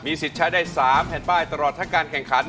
สิทธิ์ใช้ได้๓แผ่นป้ายตลอดทั้งการแข่งขัน